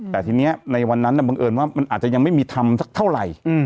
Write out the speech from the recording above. แต่ทีนี้ในวันนั้นบังเอิญว่ามันอาจจะยังไม่มีธรรมสักเท่าไหร่